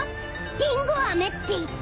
りんご飴っていって。